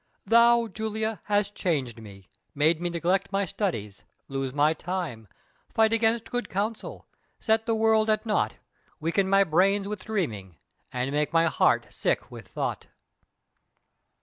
Thou, Julia, hast changed me, made me neglect my studies, lose my time, fight against good counsel, set the world at naught, weaken my brains with dreaming, and make my heart sick with thought!"